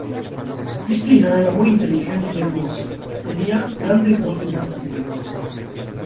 Cristina era muy inteligente y hermosa, y tenía grandes dotes artísticas.